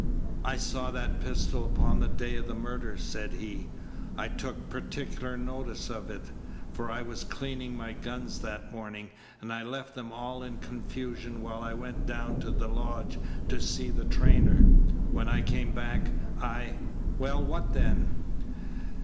"I saw that pistol upon the day of the murder," said he. "I took particular notice of it; for I was cleaning my guns that morning, and I left them all in confusion while I went down to the lodge to see the trainer. When I came back I " "Well, what then?"